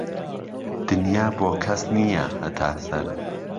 دنیا بۆ کهس نییه ههتا سەر